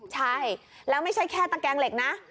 ใช่แล้วไม่ใช่แค่ตะแกงเหล็กนะ